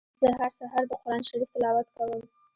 زه هر سهار د قرآن شريف تلاوت کوم.